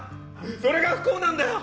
それが不幸なんだよ！